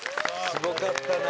すごかったな。